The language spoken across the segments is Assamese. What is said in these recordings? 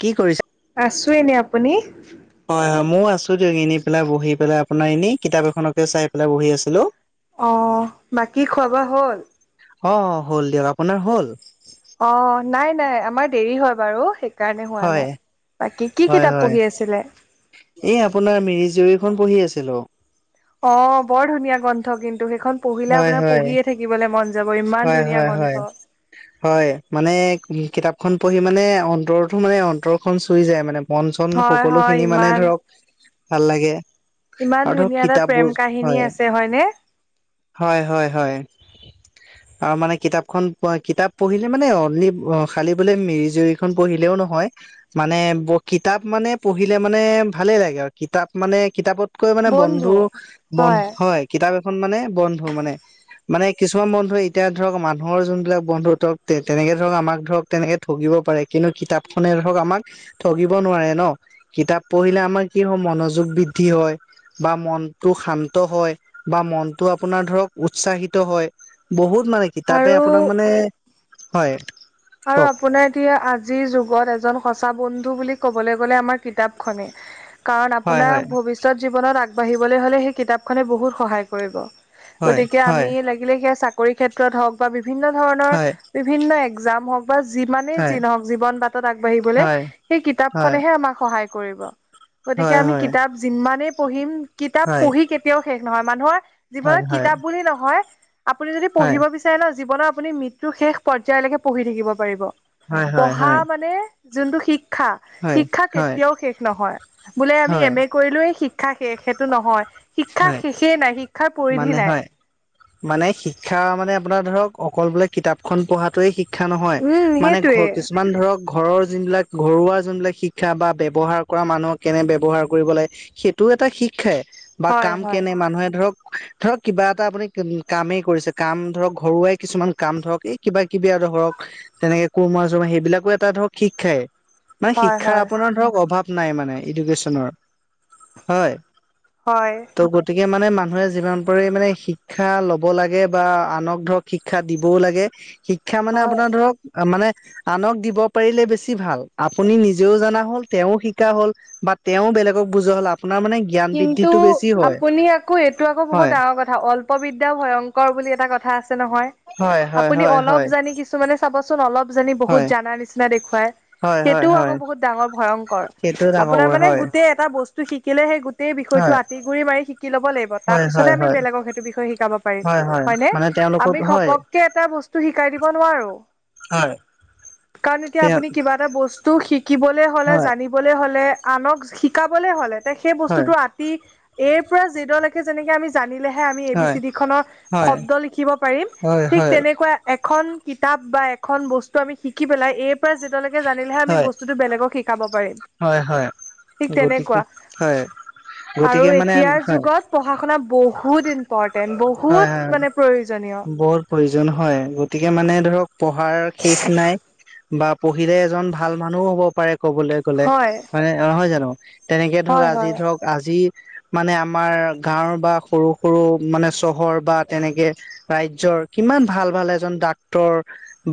কি কৰিছা? আছো এনে আপুনি? হয় হয় ময়ও আছো দিয়ক এনে পেলাই বহি পেলাই আপোনাৰ এনেই কিতাপ এখনকে চাই পেলাই বহি আছিলো। অহ, বাকী খোৱা - বোৱা হ'ল? অ হ'ল দিয়ক, আপোনাৰ হ'ল? অ নাই নাই আমাৰ দেৰি হয় বাৰু সে কাৰণে হোৱা হয় নাই, বাকী কি হয় কিতাপ হয় পঢ়ি আছিলে? এই আপোনাৰ মিৰি জীয়ৰীখন পঢ়ি আছিলোঁ। অ বৰ ধুনীয়া গ্ৰন্থ কিন্তু সেইখন পঢ়িলে হয় আপোনাৰ হয় পঢ়িয়ে থাকিবলৈ মন যাব ইমান হয় ধুনীয়া হয় গ্ৰন্থ হয়। হয় মানে কিতাপখন পঢ়ি মানে অন্তৰতো মানে অন্তৰ খন চুই যায় মানে মন চন হয় হয় সকলোখিনি মানে ইমান ধৰক ভাল লাগে। ইমান আৰু ধৰক ধুনীয়া এটা কিতাপবোৰ প্ৰেম কাহিনী হয় আছে হয়নে? হয় হয় হয়। আৰু মানে কিতাপখন প কিতাপ পঢ়িলে মানে অনলি খালি বোলে মিৰি জুৰি খন পঢ়িলেও নহয় মানে প কিতাপ মানে পঢ়িলে মানে ভালে লাগে আৰু কিতাপ মানে কিতাপত কৈ মানে বন্ধু বন হয় কিতাপ এখন মানে বন্ধু মানে - মানে কিছ মান বন্ধুৱে এতিয়া ধৰক মানুহৰ যোনবিলাক বন্ধু ধৰক তেনেকে ধৰক আমাক ধৰক তেনেকে ঠগিব পাৰে কিন্তু কিতাপখনে ধৰক আমাক ঠগিব নোৱাৰে ন, কিতাপ পঢ়িলে আমাৰ কি হয় মনোযোগ বৃদ্ধি হয়। বা মনটো শান্ত হয় বা মনটো আপোনাৰ ধৰক উৎসাহিত হয়। বহুত মানে কিতাপে আপোনাক আৰু মানে হয়। আৰু কওক আপোনাৰ এতিয়া আজিৰ যুগত এজন সঁচা বন্ধু বুলি কবলৈ গ'লে আমাৰ কিতাপখনে। [inaudible] কাৰণ হয় আপোনাৰ হয় ভৱিষ্যত জীৱনত আগবাঢ়িবলৈ হ'লে সেই কিতাপখনে বহুত সহায় কৰিব। হয় গতিকে হয় আমি লাগিলে সেয়া চাকৰি ক্ষেত্ৰত হওঁক বা বিভিন্ন ধৰণৰ হয় বিভিন্ন এক জাম হওক বা যিমানে হয় যি নহওঁক জীৱন বাটত আগবাঢ়িবলে হয় সেই হয় কিতাপখনেহে আমাক সহায় কৰিব। গতিকে হয় আমি হয় কিতাপ যিমানেই পঢ়িম কিতাপ হয় পঢ়ি কেত তিয়াও শেষ নহয়, মানুহৰ হয় জীৱনত হয় কিতাপ বুলি নহয় আপুনি যদি হয় পঢ়িব বিচ চে ন' জীৱনৰ আপুনি মৃত্যু শেষ পৰ্যায়লৈকে পঢ়ি থাকিব পাৰিব, হয় হয় হয় পঢ়া হয় মানে যোনটো শিক্ষা - শিক্ষা হয় কেতিয়াও শেষ নহয়, বোলে আমি হয় এম এ কৰিলোয়েই শিক ক্ষা শেষ সেইটো নহয় শিক্ষা হয় শেষেই নাই শিক- মানে হয় মানে শিক্ষা মানে আপোনাৰ ধৰক অকল বোলে কিতাপখন পঢ়াটোৱে শিক্ষ- ক্ষা নহয় উম মানে সেইটোৱে ঘৰ কিছু- মান ধৰক ঘৰৰ যোনবিলাক ঘৰুৱা যোনবিলাক শিক্ষা বা ব্যৱহাৰ কৰা মানুহক কেনে ব্যৱহাৰ কৰিব লাগে। সেইটোও এটা শিক্ষাই বা হয় কাম হয় কেনে মানুহে ধৰক- ধৰক কিবা এটা আপুনি কামেই কৰিছে কাম ধৰক ঘৰুৱাই কিছুমান কাম ধৰক এই- কিবা কিবি আৰু ধৰক তেনেকে কোৰমা চমা সেইবিলাকো এটা ধৰক শিক্ষাই। মানে হয় শিক্ষাৰ হয় আপোনাৰ ধৰক অভাৱ নাই মানে এডুকেশ্যনৰ। হয়, হয় ত' গতিকে মানে মানুহে- যিমান পাৰে মানে শিক্ষা লব লাগে, বা আনক ধৰক শিক্ষা দিবও লাগে। শিক্ষা মানে হয়। আপোনাৰ ধৰক মানে- আনক দিব পাৰিলে বেছি ভাল আপুনি নিজেও জনা হল তেও শিকা হল। বা তেওঁ বেলেগক বুজোৱা হ'লে আপোনাৰ মানে- জ্ঞান কিন্তু বৃদ্ধিটো বেছি হয় আপুনি আ- আকৌ এইটো আকৌ বহুত হয় ডাঙৰ কথা অল্প বিদ্যা ভয়ংকৰ বুলি এটা কথা আছে নহয়। হয় হয় আপুনি হয় অলপ হয় জানি কিছুমানে চাবচোন অলপ জানি বহুত হয় জানা নিচিনা দেখুৱাই। হয় হয় সেইটোও হয় আকৌ বহুত ডাঙৰ ভয়ংকৰ সেইটো ডাঙৰ আপোনাৰ বৰ মানে হয় গোটেই এটা বস্তু শিকিলে সেই গোট- সেই বিষয়টো হয় আতিগুৰি মাৰি শিকি লব লাগিব তাৰ হয় হয় পিছতহে আমি হয় বেলেগক সেইটো বিষয় শিকাব পাৰিম। হয় হয় হয়নে মানে তেওঁলোকক আমি হয় ঘপক- কে এটা বস্তু শিকাই দিব নোৱাৰো হয় কাৰণ এতিয়া তেওঁ আপুনি কিবা এটা বস্তু- তটো শিকিবলৈ হ'লে হয় জানিবলৈ হ'লে আনক শিকাবলে হ'লে তে সেই হয় বস্তুটো আত- তী এ ৰ পৰা জেড ৰ লৈ - যেনেকে আমি জানিলেহে আমি এ বি হয় চি ডি খনৰ হয় শব্দ লিখিব পাৰিম হয় হয় ঠিক তেনেকুৱা- এখন কিতাপ বা এখন বস্তু আমি শিকি পেলাই এই- যিয়ালৈকে জানিলেহে আমি হয় বস্তুটো বেলেগক শিকাব পাৰিম হয় হয় ঠিক গতিকে তেনেকুৱা। হয়। আৰু গতিকে মানে এতিয়াৰ হয় যুগত পঢ়া শুনা বহুত ইম্পৰটেণ্ট হয় হয় বহুত মানে প্ৰয়োজনীয়। বহুত প্ৰয়োজন হয় গতিকে মানে ধৰক পঢ়াৰ শেষ নাই। বা পঢ়িলে এজন ভাল মানুহও হব পাৰে কবলৈ গলে হয় হয়নে অ হয় জানো। তেনেকে ধৰক হয় আজি হয় ধৰক আজি মানে আমাৰ গাঁওৰ বা সৰু সৰু মানে স- চহৰ বা তেনেকে ৰাজ্যৰ কিমান ভাল ভাল এজন ডাক্তৰ-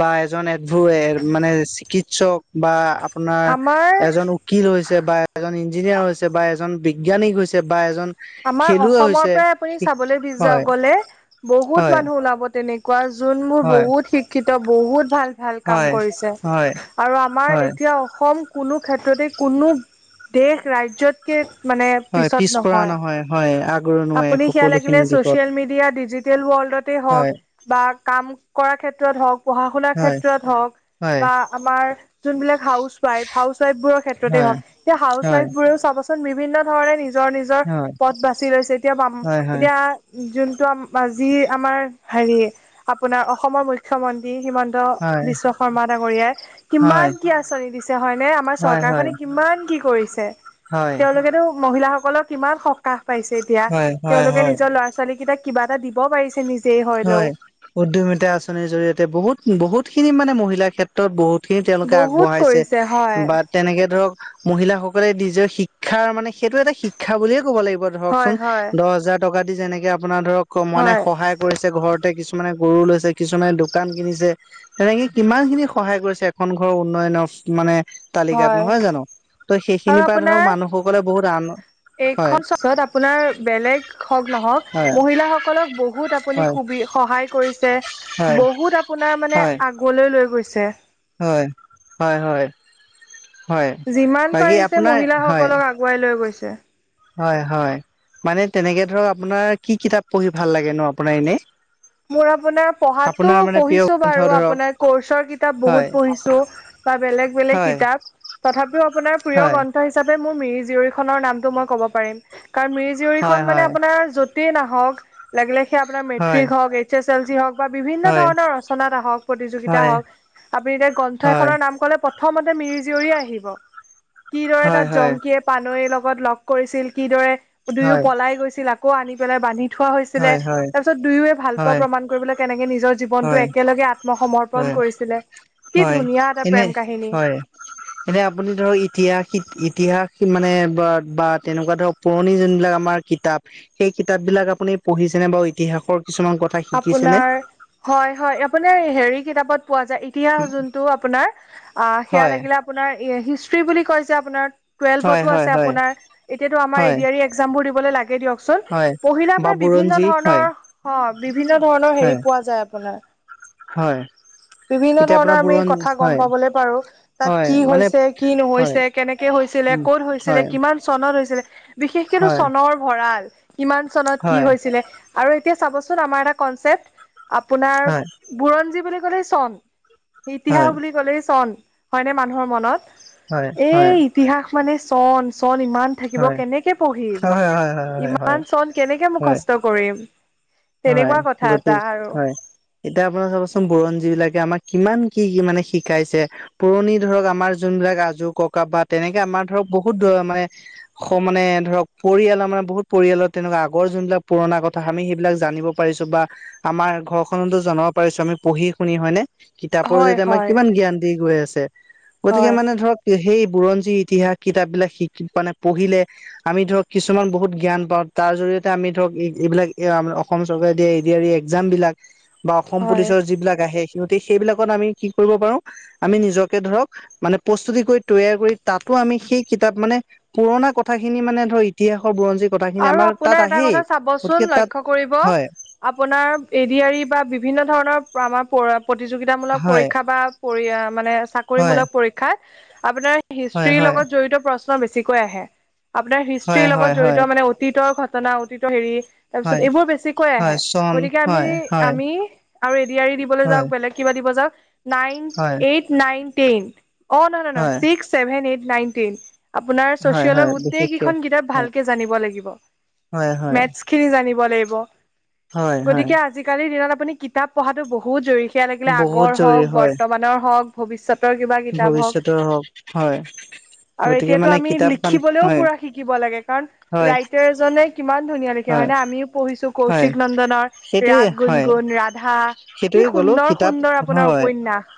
বা এজন এবোৰ এ মানে চিকিৎসক বা আপোনাৰ আমাৰ এজন উ- কিল হৈছে বা এজন ইঞ্জিনিয়াৰ হৈছে বা এজন বিজ্ঞানী হৈছে বা এজন- আমাৰ খেলুৱৈ অসমৰ হৈছে পৰাই আপুনি চাবলৈ বিজ হয় আগলে বহুত হয় মানুহ ওলাব তেনে- কোৱা যোন মোৰ হয় বহুত শিক্ষিত বহুত ভাল- ভাল কাম হয় কৰিছে হয় আৰু আমাৰ হয় এতিয়া অসম- কোনো ক্ষেত্ৰতে কোনো দেশ ৰাজ্যতকৈ মানে পিছত নহয়। হয় হয় আগৰণ- আপুনি সেয়া লাগিলে ছচিয়েল মিডিয়া ডিজিটেল ৱৰ্ল্ডতে হয় হওক- বা কাম কৰাৰ ক্ষেত্ৰত হওঁক পঢ়া শুনাৰ হয় ক্ষেত্ৰত হওঁক- হয় বা আমাৰ যোনবিলাক হাউচ ৱাইফ হাউচ ৱাইফবোৰৰ ক্ষেত্ৰতে হয় হওক। স হাউচ হয় ৱাইফ বোৰেও চাব - চ বিভিন্ন ধৰণে নিজৰ নিজৰ হয় পথ বাছি লৈছে এতিয়া বাম হয় হয় এতিয়া- যোনটো আম আজি আমাৰ হেৰি আপোনাৰ অসমৰ মু- মন্ত্ৰী হিমন্ত হয় বিশ্ব শৰ্মা ডাঙৰীয়াই- হয় কিমান কি আঁচনি দিছে হয়নে আমাৰ হয় হয় হয় চৰকাৰখনে কিমান কি কৰিছে। হয় তেওঁলোকেতো মহিলাসকলক- কিমান সকাহ পাইছে এতিয়া হয় হয় তেওঁলোকে হয়। নিজৰ ল'ৰা ছোৱালী কেইটাক কিবা এটা দিব পাৰিছে নিজ- হয় উদোমিতা আঁচনিৰ জৰিয়তে বহুত বহুত খিনি মানে মহিলা ক্ষেত্ৰ- ক্ষেত্ৰত বহুতখিনি তেওঁলোকে বহুত আগবঢ়াইছে কৰিছে হয় বাত - তেনেকে ধৰক, মহিলাসকলে নিজৰ শিক্ষাৰ মানে, সেইটো এটা, শিক্ষা বুলিয়ে ক'ব লাগিব। ধৰকচোন, হয় হয় দহ হাজাৰ টকা দি, যেনেকে আপোনাৰ ধৰক, মানে, হয় সহায় কৰিছে। ঘৰতে কিছুমানে, গৰু লৈছে। কিছুমানে, দোকান কিনিছে। তেনেকে, কিমান খিনি সহায় কৰিছে, এখন ঘৰৰ উন্নয়নৰ মানে, তালিকাত হয় নহয়, জানোঁ? ত' সেইখিনিৰ পৰা ধৰক, মানুহসকলে বহুত আন এই, হয় [unintelligible] আপোনাৰ, বেলেগ হওঁক, নহওঁক হয় মহিলাসকলক, বহুত আপুনি হয় সুবি, সহায় কৰিছে। হয় বহুত আপোনাৰ মানে, হয় আগলৈ লৈ গৈছে। হয়, হয়, হয়। হয় যিমান বাকী পাৰিছে, আপোনাৰ হয় মহিলাসকলক আগুৱাই লৈ গৈছে। হয়, হয়। মানে, তেনেকে ধৰক, আপোনাৰ কি কিতাপ পঢ়ি ভাল লাগে, ন' আপোনাৰ এনে? মোৰ আপোনাৰ, পঢ়াতো মানে প্ৰিয় পঢ়িছোঁ গ্ৰন্থ বাৰু। ধৰক আপোনাৰ, কোৰ্চৰ কিতাপ হয় বহুত পঢ়িছোঁ। বা বেলেগ-বেলেগ হয় কিতাপ। ‌ তথাপিও আপোনাৰ, হয় প্ৰিয় হিচাপে, মোৰ মিৰি জীয়ৰী খনৰ নামটো, মই ক'ব পাৰিম। কাৰণ, মিৰি জীয়ৰী হয় খন মানে, হয় আপোনাৰ য য'তেই নাহক, লাগিলে সেই, আপোনাৰ হয় মেট্ৰিক হওঁক এইছ এছ এল চি হওঁক বা বিভিন্ন হয় ধৰণৰ ৰচনাত হওঁক, প্ৰতিযোগিতা হয় হওঁক। আপুনি এতিয়া, গ্ৰন্থ এখনৰ নাম ক'লে, প্ৰথমতে মিৰি জীয়ৰীয়ে আহিব। কিদৰে, হয় তাত হয় জংকীয়ে পানৈৰ লগত, লগ কৰিছিল। কিদৰে, দুয়ো হয় পলাই গৈছিল। আকৌ, আনি পেলাই বান্ধি থোৱা হয় হৈছিলে। হয় হয় তাৰপিছত, দুয়োয়ে ভাল পোৱা হয় প্ৰমাণ কৰিবলৈ, কেনেকে নিজৰ জীৱনটো হয় একেলগে, আত্মসমৰ্পন হয় কৰিছিলে। কি হয় ধুনীয়া এটা এনে প্ৰেম কাহিনী! [unintelligible] এনে, আপুনি ধৰক, ইতিহাস-ইতিহাস মানে বা তেনেকুৱা ধৰক, পুৰণি যোনবিলাক আমাৰ কিতাপ, সেই কিতাপ বিলাক, আপুনি পঢ়িছেনে বা ইতিহাসৰ? কিছুমান কথা শিকিছেনে আপোনাৰ, হয়, হয়। আপোনাৰ, হেৰি কিতাপত পোৱা যায়। ইতিহাস যোনটো আপোনাৰ, আঁ সেয়া হয় লাগিলে, আপোনাৰ হিষ্ট্ৰি বুলি কয় যে, আপোনাৰ। হয় টুৱেলভতো হয় আছে হয় আপোনাৰ। এতিয়াতো, আমাৰ হয় এ ডি এৰি একজামবোৰ দিবলৈ লাগে, দিয়ক চোন। হয় পঢ়িলে বা আপোনাৰ, বিভিন্ন বুৰঞ্জী হয় ধৰণৰ অ'! বিভিন্ন ধৰণৰ, হেৰি হয় পোৱা যায় আপোনাৰ। হয়! বিভিন্ন এতিয়া আপোনাৰ ধৰণৰ, আমি বুৰণ কথা গম হয় পাবলৈ পাৰোঁ। তাত হয় কি মানে হৈছে, কি ন হয় হৈছে, কেনেকে হৈছিলে, উম ক'ত হৈছিলে, হয় কিমান? চনত হৈছিলে। বিশেষকেতো হয় চনৰ ভঁৰাল, কিমান চনত, কি হয় হৈছিলে? আৰু এতিয়া চাবচোন? আমাৰ এটা কনচেপট, আপোনাৰ হয় বুৰঞ্জী বুলি ক'লে চন। ইতিহাস হয় বুলি ক'লেই, চন। হয়নে, মানুহৰ মনত? হয় হয় এই, ইতিহাস মানে, চন-চন ইমান থাকিব, হয় কেনেকে পঢ়িম? হয় হয় হয় হয় হয় হয় হয় ইমান চন, কেনেকে হয় মুৰ্খস্থ কৰিম? হয় তেনেকুৱা কথা গতি এটা আৰু। হয় এতিয়া, আপোনাৰ চাবচোন? বুৰঞ্জী বিলাকে, আমাক কিমান, কি কি মানে, শিকাইছে। পুৰণি ধৰক, আমাৰ যোনবিলাক, আজো-ককা বা তেনেকে, আমাৰ ধৰক, বহুত ধৰ মানে, মানে ধৰক, পৰিয়ালৰ মানে, বহুত পৰিয়ালৰ তেনেকুৱা। আগৰ যোনবিলাক পুৰণা কথা, আমি সেইবিলাক জানিব পাৰিছোঁ বা আমাৰ ঘৰখনতো জনাব পাৰিছোঁ। আমি পঢ়ি শুনি হয়নে? কিতাপৰ হয় জৰিয়তে, আমাক হয় কিমান জ্ঞান দি গৈ আছে। গতিকে, হয় মানে ধৰক সেই বুৰঞ্জী, ইতিহাস, কিতাপ বিলাক শিকি মানে, পঢ়িলে। আমি ধৰক, কিছুমান বহুত জ্ঞান পাওঁ। তাৰ জৰিয়তে, আমি ধৰক, এইবিলাক, এ অসম চৰকাৰে দিয়া, এ ডি এৰি একজামবিলাক বা অসম হয় পুলিচৰ, যিবিলাক আহে। গতিকে, সেইবিলাকত আমি, কি কৰিব পাৰোঁ, আমি নিজকে, ধৰক মানে, প্ৰস্তুতি কৰি, তৈয়াৰ কৰি, তাতো আমি, সেই কিতাপ মানে, পুৰণা কথা খিনি মানে, ধৰ ইতিহাসৰ বুৰঞ্জী আৰু আপোনাৰ, এটা কথা চাবচোন? তাত লক্ষ্য কৰিব। হয় আপোনাৰ, এ ডি এৰি বা বিভিন্ন ধৰণৰ, আমাৰ প্ৰতিযোগিতামূলক হয় পৰীক্ষা বা পৰি মানে, চাকৰি হয় মূলক পৰীক্ষাত, আপোনাৰ হয় হিষ্ট্ৰীৰ হয় লগত জড়িত প্ৰশ্ন বেছিকৈ আহে। আপোনাৰ, হয় হিষ্ট্ৰীৰ হয় লগত জড়িত হয় মানে অতীতৰ ঘটনা, অতীতৰ হেৰি তাৰপিছত হয় এইবোৰ বেছিকৈ হয় আহে। চন গতিকে হয় হয় আমি-আমি আৰু এ ডি এৰি দিবলৈ হয় যাওঁক, বেলেগ কিবা দিব যাওঁক নাইন, হয় এইট, নাইন, টেন অ, নহয়-নহয়-নহয় হয়, six, seven, eight, nine, ten. আপোনাৰ হয়, চচিয়েলৰ হয়, গোটেই বিশেষকে কেইখন কিতাপ হয়, ভালকে জানিব লাগিব। হয়, হয়, মেথচ খিনি জানিব লাগিব। হয়, হয়, গতিকে আজিকালিৰ দিনত আপুনি কিতাপ পঢ়াটো বহুত জৰুৰী। সেয়া লাগিলে বহুত আগৰ হওঁক, জৰুৰী হয়, বৰ্তমানৰ হওঁক ভৱিষ্যতৰ কিবা কিতাপ হওঁক। ভৱিষ্যতৰ হওক হয়, আৰু গতিকে এতিয়াতো মানে আমি কিতাপ মান লিখিবলৈও হয়, পুৰা শিকিব লাগে। কাৰণ হয়, ৰাইটাৰজনে কিমান ধুনীয়া লিখে হয় নে? আমিও পঢ়িছোঁ হয়, কৌশিক নন্দনৰ, সেইটোৱে ৰাগ হয়, গুণ-গুণ, ৰাধা কি সেইটোৱে ক'লো কিতাপ সুন্দৰ-সুন্দৰ আপোনাৰ হয়, উপন্যাস।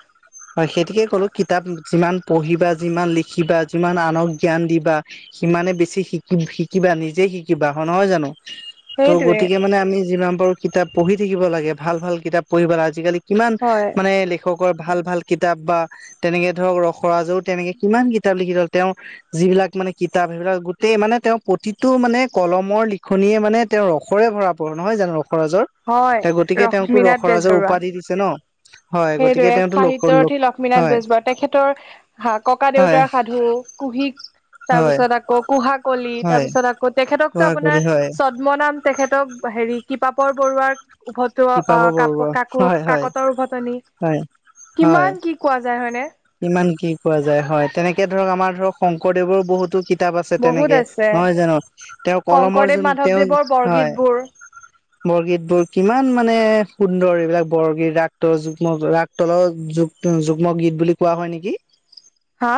হয় সেইতিকে ক'লোঁ কিতাপ যিমান পঢ়িবা, যিমান লিখিবা, যিমান আনক জ্ঞান দিবা সিমানে বেছি শিকি শিকিবা নিজে শিকিবা হয় নহয় জানো? ত' সেইটোৱে গতিকে মানে আমি যিমান পাৰো কিতাপ পঢ়ি থাকিব লাগে ভাল ভাল কিতাপ পঢ়িব লাগে। আজিকালি কিমান হয় মানে লেখকৰ ভাল-ভাল কিতাপ বা তেনেকে ধৰক ৰসৰাজও তেনেকে কিমান কিতাপ লিখি গ'ল, তেওঁৰ যিবিলাক মানে কিতাপ সেইবিলাক গোতেই মানে তেওঁ প্ৰতিটো মানে কলমৰ লিখনিয়ে মানে তেওঁ ৰসৰে ভৰা নহয় জানো ৰসৰাজৰ? হয় ত গতিকে তেওঁকতো লক্ষ্মীনাথ ৰসৰাজৰ বেজবৰুৱা উপাধি দিছে ন? হয়। গতিকে তেওঁতো ল ৰথী লক্ষ্মীনাথ বেজবৰুৱা তেখেতৰ হা, ককা হয় দিওঁতাৰ সাধু, কুহিক হয়। তাৰপিছত আকৌ কুহা কলি। হয় তাৰপিছত আকৌ তেখেটকটো আপোনাৰ হয় পদ্মনাম তেখেতক হেৰি কৃপাপৰ বৰুৱাৰ উভতো অ কৃপাবৰ কাপো বৰুৱা কাকো হয় হয় কাকতৰ উভতনি। হয় হয় কিমান কি কোৱা যায় হয়নে? ইমান কি কোৱা যায় হয়, তেনেকে ধৰক আমাৰ ধৰক শংকৰদেৱৰো বহুতো কিতাপ আছে বহুত তেনেকে আছে নহয় জানো? তেওঁ কলমৰ শংকৰদেৱ যোন তেওঁ মাধৱদেৱৰ হয়। বৰগীতবোৰ বৰগীত বোৰ কিমান মানে সুন্দৰ এইবিলাক বৰগীত ৰাক্ত যুগ্ম ৰা তল যুগ যুগ্ম গীত বুলি কোৱা হয় নেকি? হা?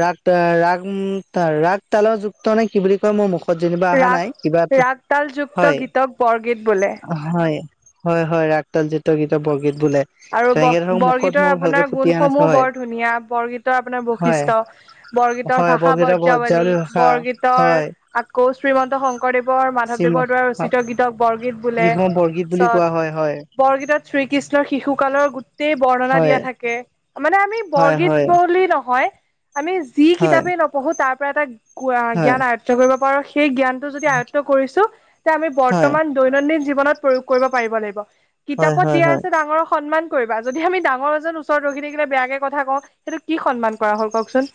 ৰাগ-ৰাগ-ৰাগ তালাও যুক্ত নে কি বুলি মোৰ মুখত যেনিবা অহা ৰাগ নাই কিবা এ ৰাগ তালযুক্ত হয়। গীতক বৰগীত বোলে হয়, হয়, হয় ৰাগতাল জিত গীতৰ বৰগীত বোলে। আৰু বৰ তেনেকে ধৰক মুখত বৰগীতৰ মোৰ ভালকে আপোনাৰ ফুটি অহা নাছিল গুণসমূহ হয় বৰ ধুনীয়া, বৰগীতৰ আপোনাৰ হয় বৈশিষ্ট্য। বৰগীতৰ হয় ভাষা বৰগীতৰ বৰ্যাবলি, ভজাৱলী ভাষা বৰগীতৰ হয় আকৌ শ্ৰীমন্ত শংকৰ শংকৰদেৱৰ মাধৱদেৱৰ দ্বাৰা গীতসমূহ ৰচিত গীতক বৰগীত বোলে। বৰগীত বুলি কোৱা হয় হয় তাৰপিছত বৰগীতত শ্ৰীকৃষ্ণৰ শিশুকালৰ গোট ই বৰ্ণনা হয় দিয়া থাকে। মানে আমি হয় বৰগীত বুলি নহয়, আমি যি হয় কিতাপেই নপঢ়ো তাৰ পৰা এটা হয় জ্ঞান আৰ্য কৰিব পাৰোঁ, সেই জ্ঞান যদি আয়ত্ব কৰিছোঁ, তে আমি হয় বৰ্তমান দৈনন্দিন জীৱনত প্ৰয়োগ কৰিব পাৰিব লাগিব। কিতাপত হয় হয় হয় দিয়া হয় আছে ডাঙক সন্মান কৰিবা। যদি আমি ডাঙৰ এজন ওচৰত ৰখি থাকিলে বেয়াকে কথা কওঁ সেইটো কি সন্মান কৰা হ'ল কওঁকচোন,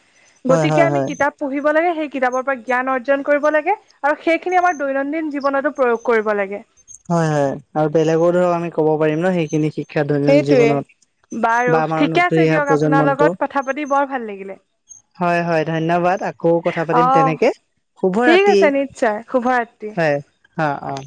গতিকে হয় হয় হয় আমি কিতাপ পঢ়িব লাগে সেই কিতাপৰ পৰা জ্ঞান অৰ্জন কৰিব লাগে। আৰু সেইখিনি আমাৰ দৈনন্দিন জীৱনতো প্ৰয়োগ কৰিব লাগে। হয়, হয় আৰু বেলেগো ধৰক আমি কব পাৰিম ন সেইখিনি শিক্ষা দৈনন্দিন সেইটোৱে জীৱনত। বাৰু বা আমাৰ ঠিকে নতুন আছে অহা দিয়ক আপোনাৰ প্ৰজন্মটো লগত কথা পাতি বৰ ভাল লাগিলে। হয়, হয় ধন্যবাদ আকৌ কথা অ পাতিম তেনেকে। শুভ ঠিক ৰাতি আছে নিশ্চয় শুভ ৰাত্ৰি। হয় অ', অ'।